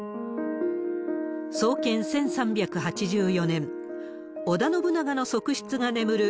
創建１３８４年、織田信長の側室が眠る